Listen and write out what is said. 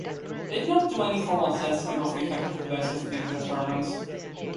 They did not do any formal assessment of the effectiveness of these experiments.